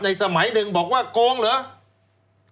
สมัยหนึ่งบอกว่าโกงเหรอ